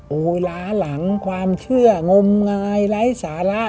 หูยล้าหลังความเชื่องมไงไร้สาร่า